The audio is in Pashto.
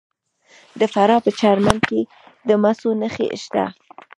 د فراه په پرچمن کې د مسو نښې شته.